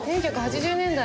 １９８０年代。